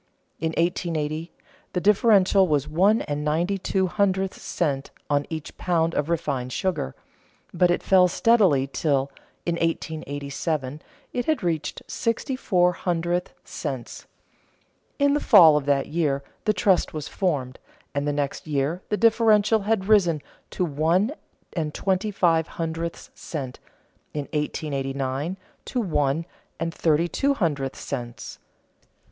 In 1880, the differential was one and ninety two hundredths cents on each pound of refined sugar, but it fell steadily till, in 1887, it had reached sixty four hundredths cents. In the fall of that year the trust was formed; and the next year the differential had risen to one and twenty five hundredths cents, in 1889 to one and thirty two hundredths cents.